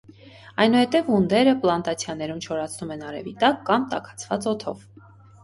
Այնուհետև ունդերը պլանտացիաներում չորացնում են արևի տակ կամ տաքացված օդով։